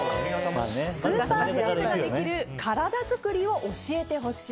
スーパーセーブができる体づくりを教えてほしい。